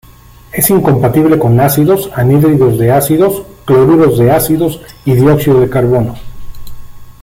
Es incompatible con ácidos, anhídridos de ácidos, cloruros de ácidos y dióxido de carbono.